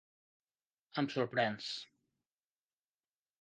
Em sorprens.